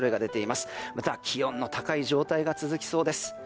また気温の高い状態が続きそうです。